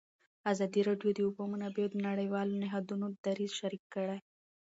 ازادي راډیو د د اوبو منابع د نړیوالو نهادونو دریځ شریک کړی.